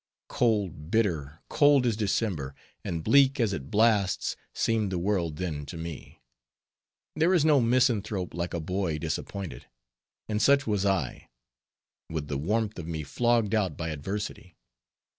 Cold, bitter cold as December, and bleak as its blasts, seemed the world then to me; there is no misanthrope like a boy disappointed; and such was I, with the warmth of me flogged out by adversity.